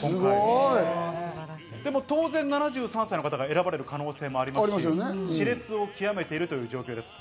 最高齢７３歳の方、当然７３歳の方が選ばれる可能性もありますし、し烈を極めているという状況です。